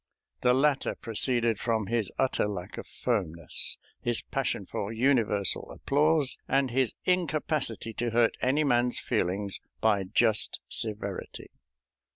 The latter proceeded from his utter lack of firmness, his passion for universal applause, and his incapacity to hurt any man's feelings by just severity.